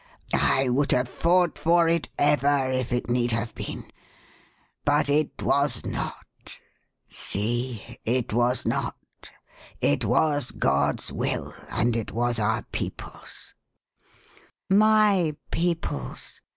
"I would have fought for it ever if it need have been. But it was not. See, it was not. It was God's will and it was our people's." "My people's!"